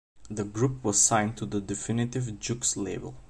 The group was signed to the Definitive Jux label.